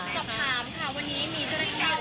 สอบถามค่ะวันนี้มีเจ้าหน้าที่